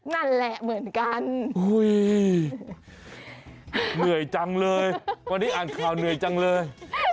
นั่นแหละเหมือนกันเหนื่อยจังเลยวันนี้อ่านข่าวเหนื่อยจังเลย